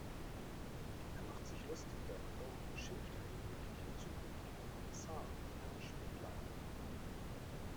Er macht sich lustig darüber und beschimpft einen möglichen zukünftigen Kommissar, Herrn Špidla.